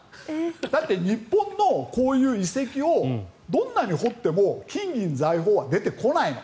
だって、日本のこういう遺跡をどんなに掘っても金銀財宝は出てこないの。